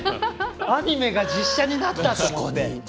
アニメが実写になったと思って。